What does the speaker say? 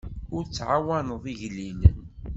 Ur tɛawneḍ igellilen.